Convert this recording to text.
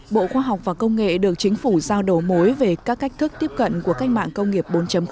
bộ khoa học và công nghệ được chính phủ giao đầu mối về các cách thức tiếp cận của cách mạng công nghiệp bốn